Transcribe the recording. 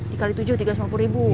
dikali tujuh rp tiga ratus lima puluh